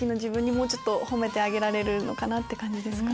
もうちょっと褒めてあげられる感じですか？